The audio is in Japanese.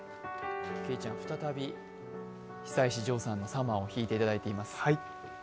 けいちゃん、再び久石譲さんの「サマー」を弾いていただいています。